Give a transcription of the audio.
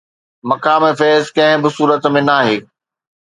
مقام فيض ڪنهن به صورت ۾ ناهي